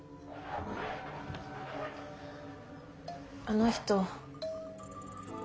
あの人